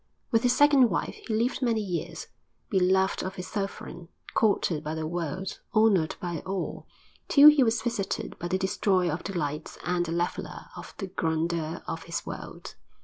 With his second wife he lived many years, beloved of his sovereign, courted by the world, honoured by all, till he was visited by the Destroyer of Delights and the Leveller of the Grandeur of this World....